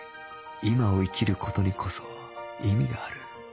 今を生きる事にこそ意味がある